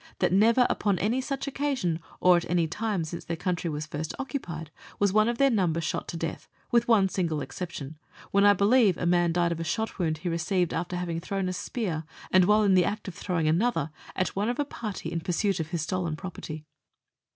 5 that never upon any such occasion, or at any time since their country was first occupied, was one of their number shot to death, with one single exception, when I believe a man died of a shot wound he received after having thrown a spear, and while in the act of throwing another at one of a party in pursuit of his stolen property.